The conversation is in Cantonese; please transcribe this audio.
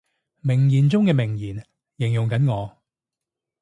名言中嘅名言，形容緊我